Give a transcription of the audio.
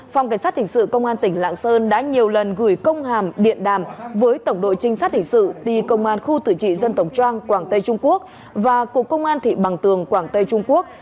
phòng cảnh sát hình sự công an tỉnh lạng sơn đã nhiều lần gửi công hàm điện đàm với tổng đội trinh sát hình sự ti công an khu tử trị dân tổng trang quảng tây trung quốc và cục công an thị bằng tường quảng tây trung quốc